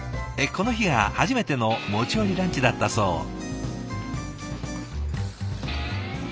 この日が初めての持ち寄りランチだったそう。